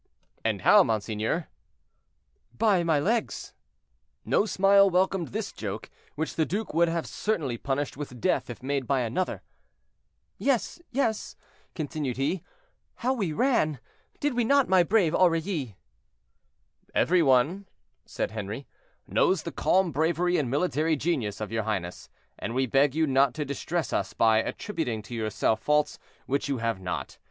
"And how, monseigneur?" "By my legs." No smile welcomed this joke, which the duke would certainly have punished with death if made by another. "Yes, yes," he continued; "how we ran! did we not, my brave Aurilly?" "Every one," said Henri, "knows the calm bravery and military genius of your highness, and we beg you not to distress us by attributing to yourself faults which you have not.